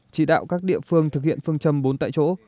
chỉ đạo các địa phương thực hiện phương châm bốn tại chỗ